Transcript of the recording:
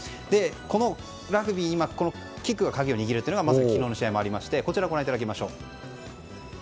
このラグビーキックが鍵を握るというのがまさに昨日の試合でもありましてこちら、ご覧いただきます。